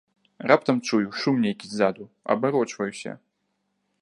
Раптам чую, шум нейкі ззаду, абарочваюся.